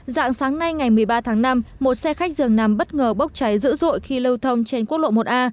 dạng sáng nay ngày một mươi ba tháng năm một xe khách dường nằm bất ngờ bốc cháy dữ dội khi lưu thông trên quốc lộ một a